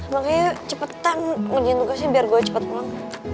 makanya cepetan ngajin tugasnya biar gue cepet pulang